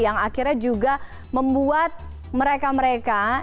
yang akhirnya juga membuat mereka mereka